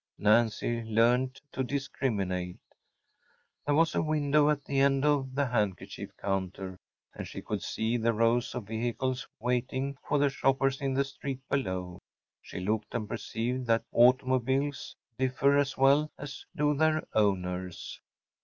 Nancy learned to discriminate. There was a window at the end of the handkerchief counter; and she could see the rows of vehicles waiting for the shoppers in the street below. She looked and perceived that automobiles differ as well as do their owners.